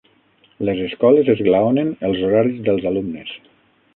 Les escoles esglaonen els horaris dels alumnes.